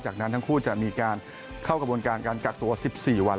จากนั้นทั้งคู่จะมีการเข้ากระบวนการการกักตัว๑๔วัน